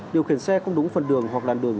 điều khiển xe không đúng phần đường hoặc làn đường